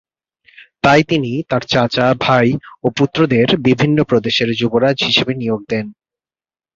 তাই তিনি তার চাচা, ভাই ও পুত্রদের বিভিন্ন প্রদেশের যুবরাজ হিসেবে নিয়োগ দেন।